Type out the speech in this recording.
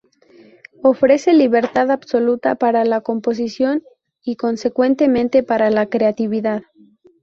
Ofrece libertad absoluta para la composición y consecuentemente, para la creatividad.